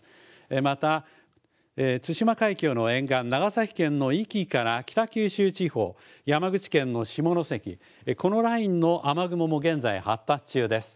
またつしま海峡の沿岸、長崎県のいきから北九州地方、山口県の下関、このラインの雨雲も、現在、発達中です。